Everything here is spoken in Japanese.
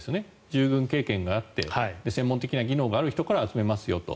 従軍経験があって専門的な技能がある人から集めますよと。